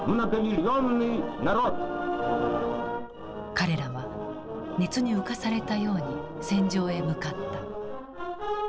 彼らは熱に浮かされたように戦場へ向かった。